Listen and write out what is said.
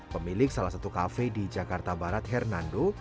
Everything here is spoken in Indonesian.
pemilik salah satu kafe di jakarta barat hernando